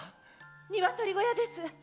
ニワトリ小屋です。